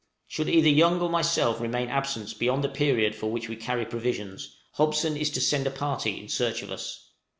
Should either Young or myself remain absent beyond the period for which we carry provisions, Hobson is to send a party in search of us.